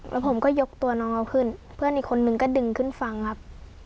แล้วผมก็ยกตัวน้องเขาขึ้นเพื่อนอีกคนนึงก็ดึงขึ้นฟังครับ